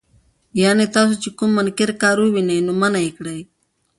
يعني تاسو چې کوم منکر کار ووينئ، نو منعه يې کړئ.